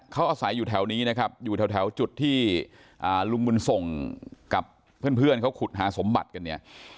เขาอาศัยอยู่แถวนี้นะครับอยู่แถวจุดที่ลุงบุญส่งกับเพื่อนเขาขุดหาสมบัติกันเนี่ย